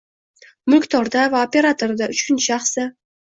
mulkdorda va operatorda, uchinchi shaxsda